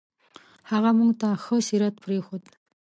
هغه موږ ته ښه سیرت پرېښود.